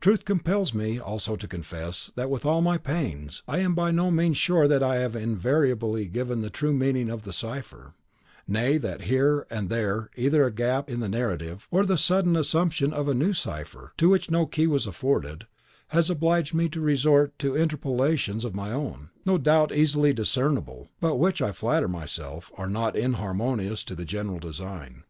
Truth compels me also to confess, that, with all my pains, I am by no means sure that I have invariably given the true meaning of the cipher; nay, that here and there either a gap in the narrative, or the sudden assumption of a new cipher, to which no key was afforded, has obliged me to resort to interpolations of my own, no doubt easily discernible, but which, I flatter myself, are not inharmonious to the general design.